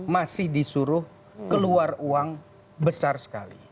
masih disuruh keluar uang besar sekali